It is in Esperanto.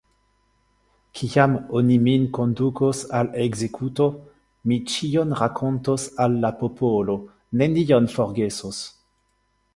Kiam oni min kondukos al ekzekuto, mi ĉion rakontos al la popolo, nenion forgesos.